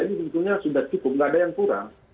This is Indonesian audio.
ini tentunya sudah cukup tidak ada yang kurang